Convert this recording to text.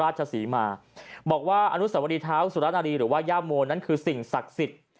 ศรีมาบอกว่าอนุสวรีเท้าสุรนารีหรือว่าย่าโมนั้นคือสิ่งศักดิ์สิทธิ์